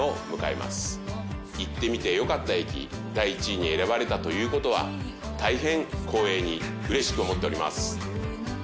行ってみてよかった駅第１位に選ばれたという事は大変光栄に嬉しく思っております。